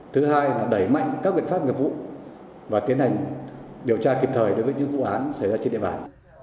thứ hai là đẩy mạnh các biện pháp nghiệp vụ và tiến hành điều tra kịp thời đối với những vụ án xảy ra trên địa bàn